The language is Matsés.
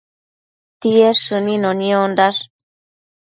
Tied shënino niondash